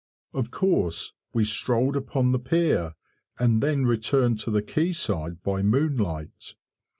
Of course, we strolled upon the pier, and then returned to the quay side by moonlight.